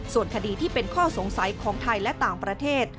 ส่วนคดีที่เป็นข้อสงสัยของไทยและต่างประเทศ